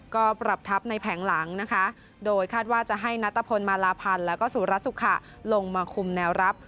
ก็ปรับทัพในแผงหลังนะคะโดยคาดว่าจะให้นัตตะพลมาลาพันธ์แล้วก็สุรสุขะลงมาคุมแนวรับ